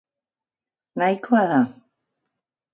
Nahikoa da!